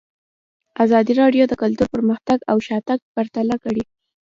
ازادي راډیو د کلتور پرمختګ او شاتګ پرتله کړی.